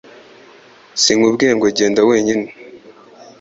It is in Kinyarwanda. Sinkubwiye ngo genda wenyine